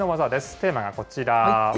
テーマはこちら。